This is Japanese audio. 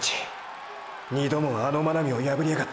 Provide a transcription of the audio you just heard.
二度もあの真波を破りやがった。